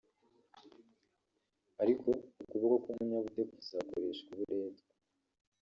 ariko ukuboko k'umunyabute kuzakoreshwa uburetwa